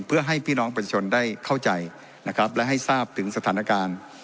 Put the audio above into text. เพื่อให้พี่น้องประชาชนได้เข้าใจนะครับและให้ทราบถึงสถานการณ์